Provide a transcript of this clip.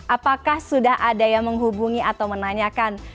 apakah sudah ada yang menghubungi atau menanyakan